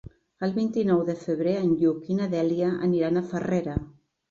El vint-i-nou de febrer en Lluc i na Dèlia aniran a Farrera.